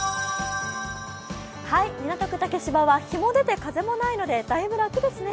港区竹芝は日も出て風もないのでだいぶ楽ですね。